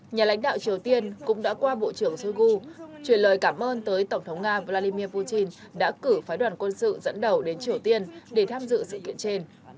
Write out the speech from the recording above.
nhà lãnh đạo triều tiên cũng đã qua bộ trưởng shoigu truyền lời cảm ơn tới tổng thống nga vladimir putin đã cử phái đoàn quân sự dẫn đầu đến triều tiên để tham dự sự kiện trên